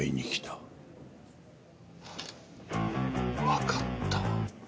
わかった。